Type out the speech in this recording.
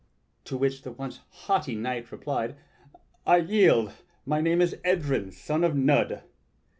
To which the once haughty knight replied: "I yield! My name is Edryn, son of Nudd."